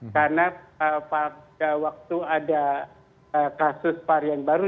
karena waktu ada kasus varian baru